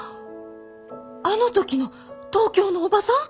あの時の東京の叔母さん！？